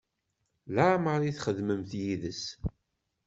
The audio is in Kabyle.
Leɛmeṛ i txedmem yid-s?